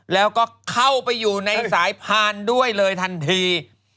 แล้วก็เข้าไปอยู่ในสายพานด้วยเลยทันที